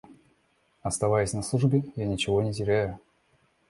Оставаясь на службе, я ничего не теряю.